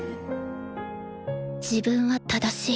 自分は正しい。